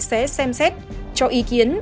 sẽ xem xét cho ý kiến